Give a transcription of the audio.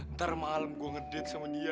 ntar malem gue ngedate sama dia